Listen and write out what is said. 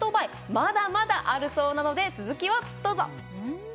まだまだあるそうなので続きをどうぞ！